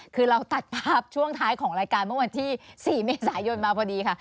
คือเราตัดภาพช่วงท้ายของรายการเมื่อวันที่๔เมษายนมาพอดีค่ะ